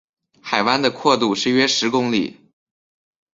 海湾的阔度是约十公里。